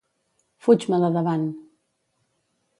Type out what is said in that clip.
Fuig-me de davant!